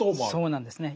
そうなんですね。